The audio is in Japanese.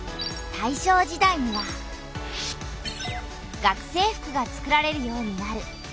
大正時代には学生服がつくられるようになる。